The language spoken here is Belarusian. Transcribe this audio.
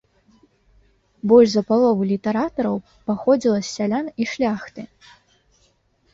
Больш за палову літаратараў паходзіла з сялян і шляхты.